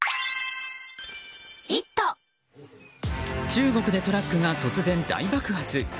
中国でトラックが突然大爆発。